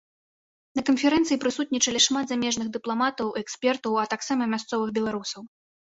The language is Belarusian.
На канферэнцыі прысутнічалі шмат замежных дыпламатаў, экспертаў, а таксама мясцовых беларусаў.